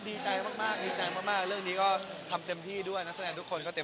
แล้วนี่คือดราม่าแหลก